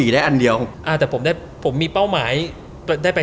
ได้อันเดียวอ่าแต่ผมได้ผมมีเป้าหมายได้ไป